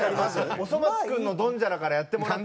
『おそ松くん』のドンジャラからやってもらって。